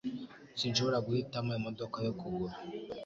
Sinshobora guhitamo imodoka yo kugura